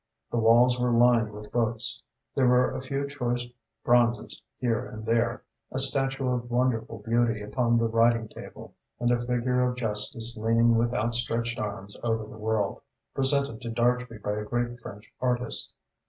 The walls were lined with books, there were a few choice bronzes here and there, a statue of wonderful beauty upon the writing table, and a figure of Justice leaning with outstretched arms over the world, presented to Dartrey by a great French artist.